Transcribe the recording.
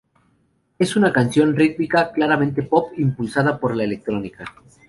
Es una canción rítmica, claramente pop, impulsada por la electrónica.